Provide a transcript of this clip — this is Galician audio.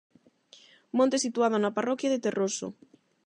Monte situado na parroquia de Terroso.